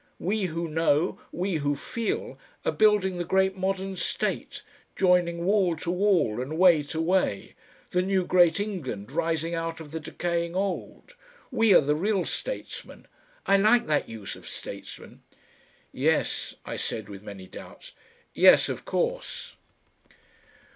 We who know, we who feel, are building the great modern state, joining wall to wall and way to way, the new great England rising out of the decaying old... we are the real statesmen I like that use of 'statesmen.'..." "Yes," I said with many doubts. "Yes, of course...."